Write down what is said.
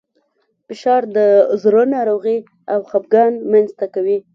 فشار د زړه ناروغۍ او خپګان رامنځ ته کوي.